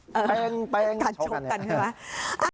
แป้งแป้งการชมกันใช่ไหม